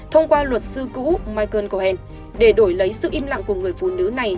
thông qua luật sư cũ michael coen để đổi lấy sự im lặng của người phụ nữ này